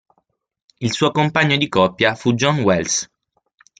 Il suo compagno di coppia fu John Wells.